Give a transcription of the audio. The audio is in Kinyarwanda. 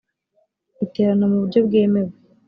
iterana mu buryo bwemewe